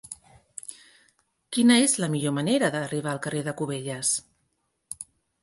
Quina és la millor manera d'arribar al carrer de Cubelles?